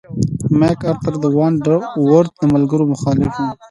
مک ارتر د ونټ ورت د ملګرو مخالف و.